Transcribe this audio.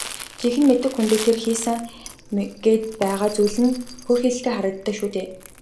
Жинхэнэ мэддэг хүндээ тэр хийсэн гээд байгаа зүйл нь хөөрхийлөлтэй л харагдана шүү дээ.